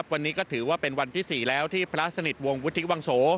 วันนี้ก็ถือว่าเป็นวันที่๔แล้วที่พระสนิทวงศ์วุฒิวังโส